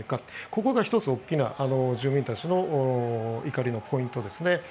ここが１つの大きな住民たちの怒りのポイントですね。